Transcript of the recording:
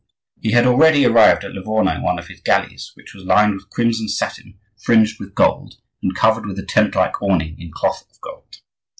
He had already arrived at Livorno in one of his galleys, which was lined with crimson satin fringed with gold, and covered with a tent like awning in cloth of gold.